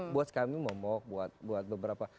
buat kami momok buat beberapa